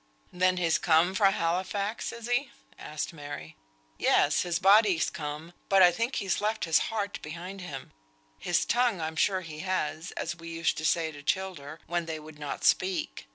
"Then he's come fra Halifax, is he?" asked Mary. "Yes! his body's come, but I think he's left his heart behind him. His tongue I'm sure he has, as we used to say to childer, when they would not speak.